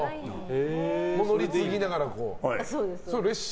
乗り継ぎながら。